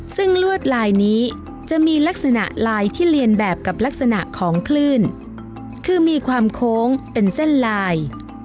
ซึ่งลวดลายนี้จะมีลักษณะลายที่เรียนแบบกับลักษณะของคลื่นคือมีความโค้งเป็นเส้นลาย